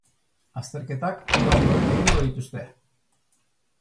Azterketak uda ondoren egingo dituzte.